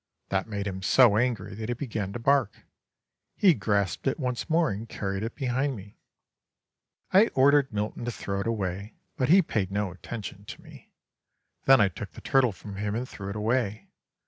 That made him so angry that he began to bark; he grasped it once more and carried it behind me. I ordered Milton to[Pg 61] throw it away, but he paid no attention to me. Then I took the turtle from him and threw it away.